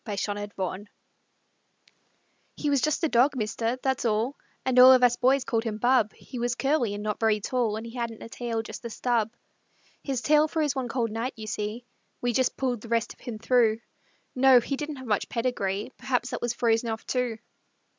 JUST OUR DOG He was just a dog, mister that's all; And all of us boys called him Bub; He was curly and not very tall And he hadn't a tail just a stub. His tail froze one cold night, you see; We just pulled the rest of him through. No he didn't have much pedigree Perhaps that was frozen off, too.